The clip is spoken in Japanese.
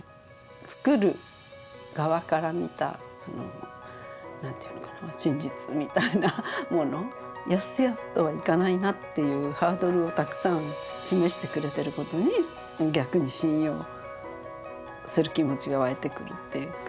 作る側から見た何ていうのかな真実みたいなものやすやすといかないなというハードルをたくさん示してくれてる事に逆に信用する気持ちが湧いてくるっていうか。